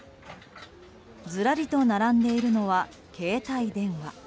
ずらりと並んでいるのは携帯電話。